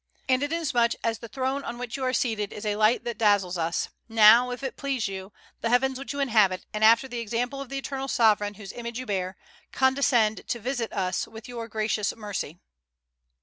And inasmuch as the throne on which you are seated is a light that dazzles us, bow, if it please you, the heavens which you inhabit, and after the example of the Eternal Sovereign, whose image you bear, condescend to visit us with your gracious mercy."